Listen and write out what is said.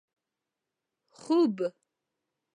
خوب